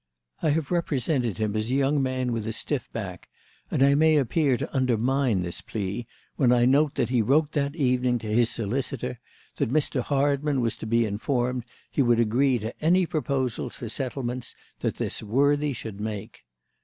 I have represented him as a young man with a stiff back, and I may appear to undermine this plea when I note that he wrote that evening to his solicitor that Mr. Hardman was to be informed he would agree to any proposals for settlements that this worthy should make.